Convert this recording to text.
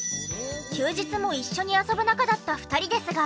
休日も一緒に遊ぶ仲だった２人ですが。